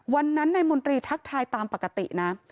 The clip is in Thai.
วันนั้นนายมนตรีทักทายตามปกตินะ